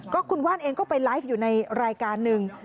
คุณว่านเองก็ไปไลฟ์อยู่ในรายการหนึ่ง